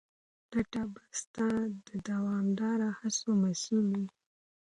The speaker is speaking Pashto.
ګټه به ستا د دوامداره هڅو محصول وي.